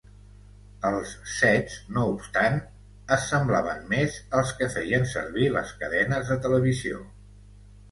Els sets, no obstant, es semblaven més als que feien servir les cadenes de televisió.